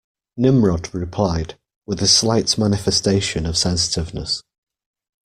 Nimrod replied, with a slight manifestation of sensitiveness.